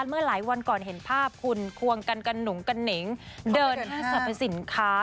เมื่อหลายวันก่อนเห็นภาพคุณควงกันกันหนุงกันหนิงเดิน๕สินค้า